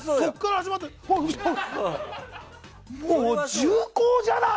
もう銃口じゃない。